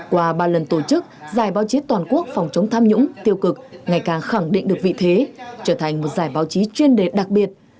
qua ba lần tổ chức giải báo chí toàn quốc phòng chống tham nhũng tiêu cực ngày càng khẳng định được vị thế trở thành một giải báo chí chuyên đề đặc biệt